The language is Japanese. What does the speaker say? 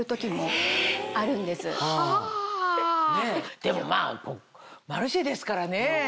でもまぁ『マルシェ』ですからね。